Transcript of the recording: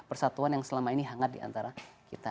persatuan yang selama ini hangat diantara kita